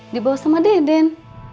dibawa sama deden